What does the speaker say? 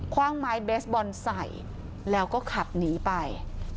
ว่างไม้เบสบอลใส่แล้วก็ขับหนีไป